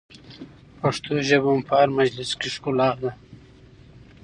پښتو ژبه مو په هر مجلس کې ښکلا ده.